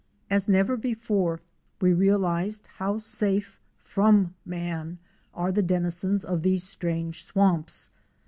As never before we realized how safe from man are the denizens of these strange swamps.